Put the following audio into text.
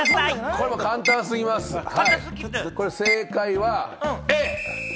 こんなの簡単すぎます、正解はＡ！